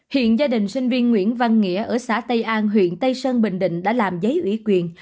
hiện gia đình sinh viên nguyễn văn nghĩa ở xã tây an huyện tây sơn bình định đã làm giấy ủy quyền